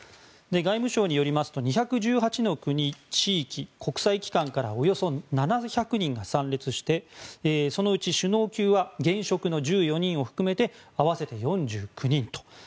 外務省によりますと２１８の国、地域、国際機関からおよそ７００人が参列してそのうち首脳級は現職の１４人を含めて合わせて４９人と。